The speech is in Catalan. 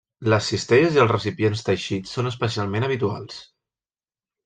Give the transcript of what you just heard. Les cistelles i els recipients teixits són especialment habituals.